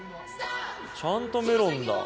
ちゃんとメロンだ。